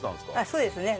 そうですね。